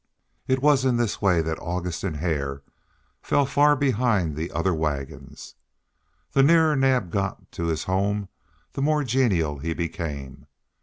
It was in this way that August and Hare fell far behind the other wagons. The nearer Naab got to his home the more genial he became.